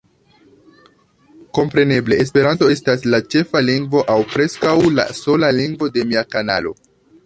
Kompreneble, Esperanto estas la ĉefa lingvo aŭ preskaŭ la sola lingvo de mia kanalo.